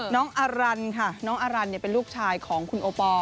น้องอารันค่ะน้องอารันเป็นลูกชายของคุณโอปอล